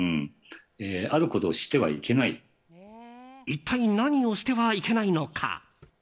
一体、何をしてはいけないのか。